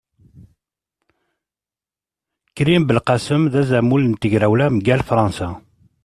Krim Belqasem d azamul n tegrawla mgal Fransa.